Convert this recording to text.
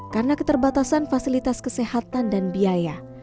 karena keterbatasan fasilitas kesehatan dan biaya